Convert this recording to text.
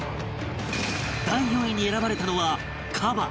第４位に選ばれたのはカバ